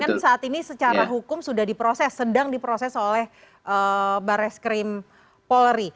dan kan saat ini secara hukum sudah diproses sedang diproses oleh barres krim polri